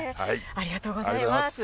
ありがとうございます。